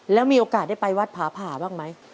แล้วมีโอกาสได้ไปวัดผาผ่าบ้างไหม